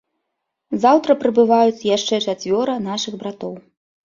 Заўтра прыбываюць яшчэ чацвёра нашых братоў.